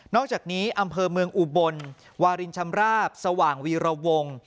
อกจากนี้อำเภอเมืองอุบลวารินชำราบสว่างวีรวง